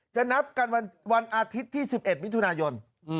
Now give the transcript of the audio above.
จะนับกันวันอาทิตย์ที่๑๑วิทยุณาโยน